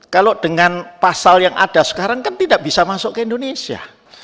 kalau dengan pasal yang ada sekarang kan tidak bisa masuk ke indonesia